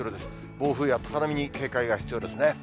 暴風や高波に警戒が必要ですね。